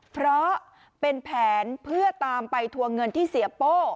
เพราะเป็นแผนเพื่อตามไปทวงเงินที่เสียโป้